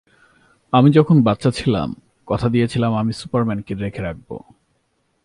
আমি যখন বাচ্চা ছিলাম, কথা দিয়েছিলাম আমি সুপারম্যানকে দেখে রাখব।